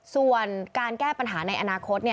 ส่วนการแก้ปัญหาในอนาคต